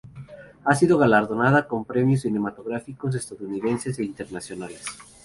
Ha sido galardonada con premios cinematográficos estadounidenses e internacionales.